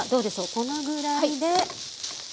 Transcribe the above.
このぐらいで。